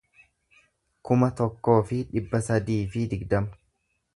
kuma tokkoo fi dhibba sadii fi digdama